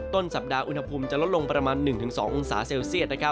ต้นสัปดาห์อุณหภูมิจะลดลงประมาณ๑๒องศาเซลเซียต